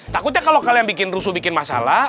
takutnya kalau kalian bikin rusuh bikin masalah